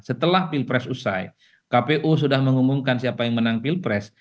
setelah pilpres usai kpu sudah mengumumkan siapa yang menang pilpres